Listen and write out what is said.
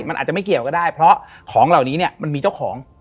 มันอาจจะไม่เกี่ยวก็ได้เพราะของเหล่านี้เนี่ยมันมีเจ้าของ